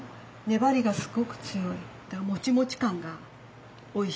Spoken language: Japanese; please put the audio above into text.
粘りがすごく強い。